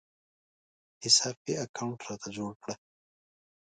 حساب پې اکاونټ راته جوړ کړه